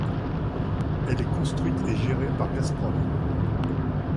Elle est construite et gérée par Gazprom.